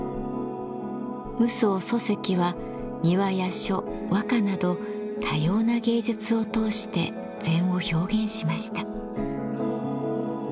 夢窓疎石は庭や書和歌など多様な芸術を通して禅を表現しました。